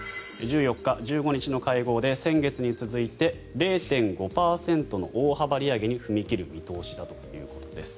１４日、１５日の会合で先月に続いて０．５％の大幅利上げに踏み切る見通しだということです。